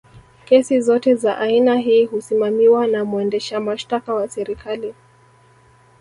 kesi zote za aina hii husimamiwa na mwendesha mashtaka wa serikali